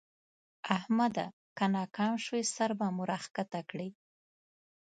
احمده! که ناکام شوې؛ سر به مو راکښته کړې.